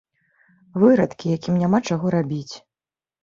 Вырадкі, якім няма чаго рабіць.